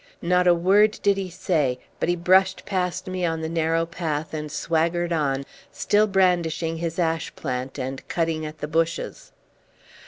Not a word did he say, but he brushed past me on the narrow path and swaggered on, still brandishing his ash plant and cutting at the bushes.